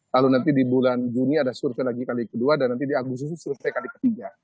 lalu nanti di bulan juni ada survei lagi kali ke dua dan nanti di agustus survei kali ke tiga